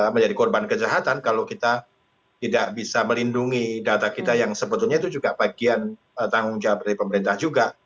menjadi korban kejahatan kalau kita tidak bisa melindungi data kita yang sebetulnya itu juga bagian tanggung jawab dari pemerintah juga